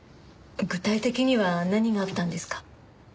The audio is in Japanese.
具体的には何があったんですか？